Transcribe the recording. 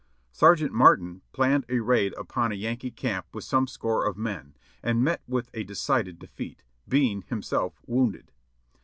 Sergeant Martin planned a raid upon a Yankee camp with some score of men. and met with a decided defeat, being himself wounded.